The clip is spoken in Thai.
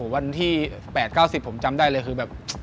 วันที่๘๙๐ผมจำได้เลยคือแบบ